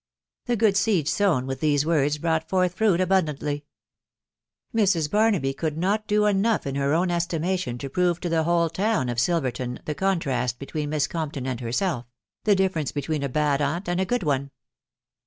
The good seed sown with these words brought forth fruit abundantly. Mrs. Barnaby could not do enough in her own estimation to prove to the whole town of Silverton the contrast between Miss Compton and herself — the difference between a bad aunt and a good one.